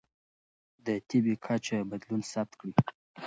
د تبه کچه بدلون ثبت کړئ.